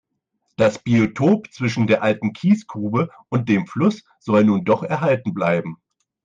Das Biotop zwischen der alten Kiesgrube und dem Fluss soll nun doch erhalten bleiben.